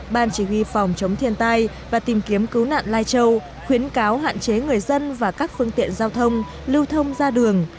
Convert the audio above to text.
ban chỉ huy phòng chống thiên tai và tìm kiếm cứu nạn lai châu khuyến cáo hạn chế người dân và các phương tiện giao thông lưu thông ra đường